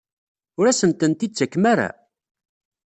Ur asent-tent-id-tettakem ara?